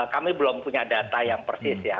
kami belum punya data yang persis ya